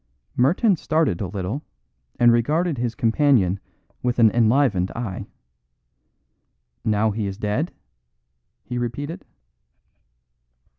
Merton started a little and regarded his companion with an enlivened eye. "Now he is dead?" he repeated.